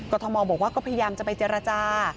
ทมบอกว่าก็พยายามจะไปเจรจา